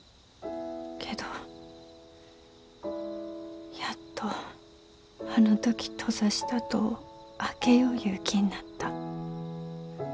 けどやっとあの時閉ざした戸を開けよういう気になった。